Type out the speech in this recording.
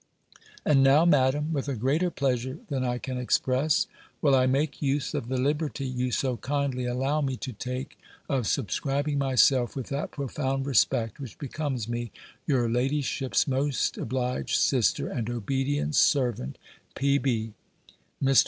And now. Madam, with a greater pleasure than I can express, will I make use of the liberty you so kindly allow me to take, of subscribing myself with that profound respect which becomes me, your ladyship's most obliged sister, and obedient servant, P.B. Mr.